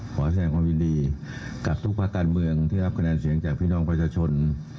แสดงความยินดีกับทุกภาคการเมืองที่รับคะแนนเสียงจากพี่น้องประชาชน